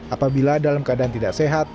apabila dalam keadaan tidak sehat